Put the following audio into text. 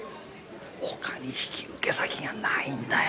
ほかに引き受け先がないんだよ。